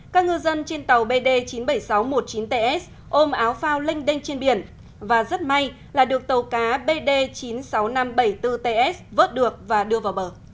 các ngư dân trên tàu bd chín mươi bảy nghìn sáu trăm một mươi chín ts ôm áo phao linhh đênh trên biển và rất may là được tàu cá bd chín mươi sáu nghìn năm trăm bảy mươi bốn ts vớt được và đưa vào bờ